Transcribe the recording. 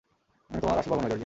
আমি তোমার আসল বাবা নই, জর্জিয়া।